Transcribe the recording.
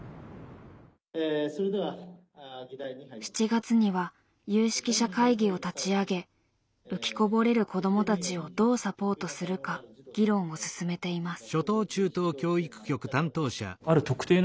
７月には有識者会議を立ち上げ浮きこぼれる子どもたちをどうサポートするか議論を進めています。